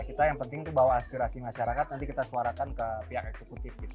kita yang penting itu bawa aspirasi masyarakat nanti kita suarakan ke pihak eksekutif gitu